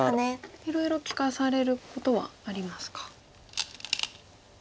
いろいろ利かされることはありますか。